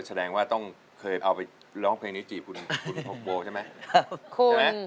แสดงว่าต้องเคยเอาไปร้องเพลงนี้จีบคุณโบใช่ไหม